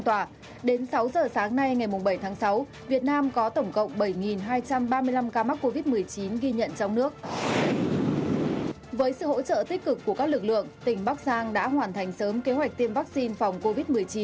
với sự hỗ trợ tích cực của các lực lượng tỉnh bắc giang đã hoàn thành sớm kế hoạch tiêm vaccine phòng covid một mươi chín